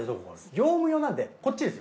業務用なんでこっちですよ。